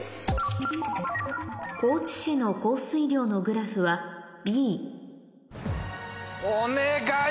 高知市の降水量のグラフはＢお願い！